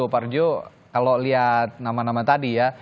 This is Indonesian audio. parjo kalau lihat nama nama tadi ya